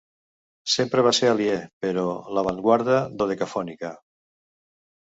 Sempre va ser aliè, però, l'avantguarda dodecafònica.